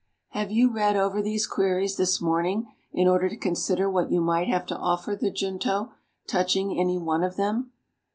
Have you read over these queries this morning, in order to consider what you might have to offer the Junto, touching any one of them?